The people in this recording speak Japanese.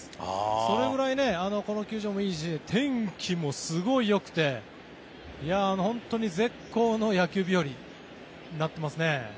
それぐらいこの球場もいいし天気もすごいよくて本当に絶好の野球日和になってますね。